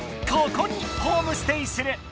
ここにホームステイする！